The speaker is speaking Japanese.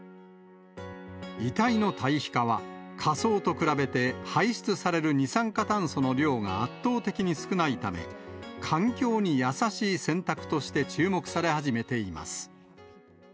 遺体の堆肥化は、火葬と比べて排出される二酸化炭素の量が圧倒的に少ないため、環境に優しい選択として注目され始めています。